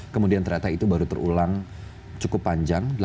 kemudian ternyata itu baru terulang cukup panjang